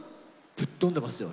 ぶっ飛んでますよ